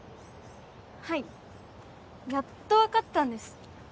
はいやっと分かったんです